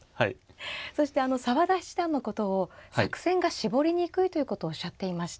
そして澤田七段のことを作戦が絞りにくいということをおっしゃっていました。